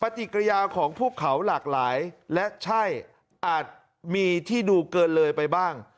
ปฏิกิริยาของพวกเขาหลากหลายและใช่อาจมีที่ดูเกินเลยไปบ้าง